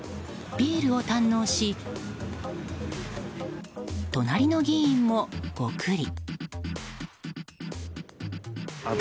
ビールを堪能し隣の議員も、ゴクリ。